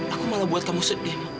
aku malah buat kamu sedih